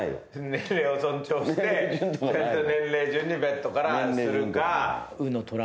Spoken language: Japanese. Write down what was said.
年齢を尊重してちゃんと年齢順にベッドからにするか。